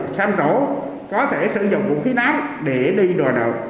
trang trổ có thể sử dụng vũ khí nát để đi đòi nợ